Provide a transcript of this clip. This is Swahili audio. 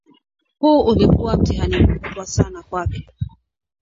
Huu ulikuwa mtihani mkubwa sana kwake